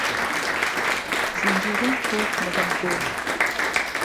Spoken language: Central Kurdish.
زنجيره و تۆق له گهڵ گۆ